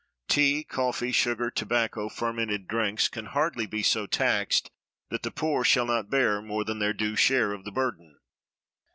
Tea, coffee, sugar, tobacco, fermented drinks, can hardly be so taxed that the poor shall not bear more than their due share of the burden.